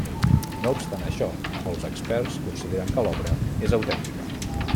No obstant això, molts experts consideren que l'obra és autèntica.